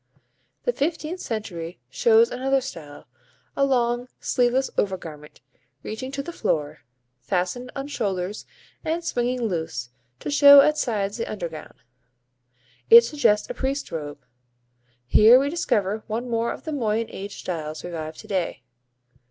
The fifteenth century shows another style, a long sleeveless overgarment, reaching to the floor, fastened on shoulders and swinging loose, to show at sides the undergown. It suggests a priest's robe. Here we discover one more of the Moyen Age styles revived to day.